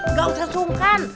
nggak usah sungkan